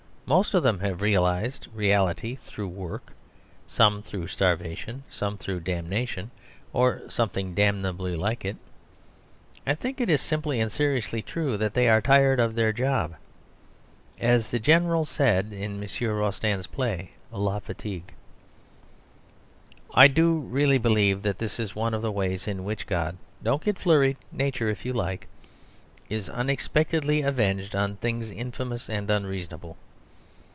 Most of them have realised reality through work; some through starvation; some through damnation, or something damnably like it. I think it is simply and seriously true that they are tired of their job. As the general said in M. Rostand's play, "la fatigue!" I do really believe that this is one of the ways in which God (don't get flurried, Nature if you like) is unexpectedly avenged on things infamous and unreasonable.